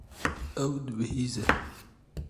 Ew dibihîze.